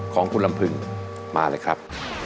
ของคุณลำพึงมาเลยครับ